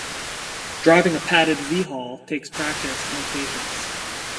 Driving a padded v-hull takes practice and patience.